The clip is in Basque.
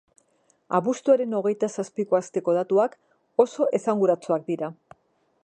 Abuztuaren hogeita zazpiko asteko datuak oso esanguratsuak dira.